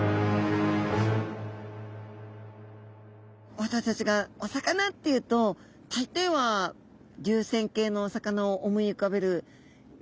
私たちがお魚っていうと大抵は流線形のお魚を思い浮かべるんですけれども。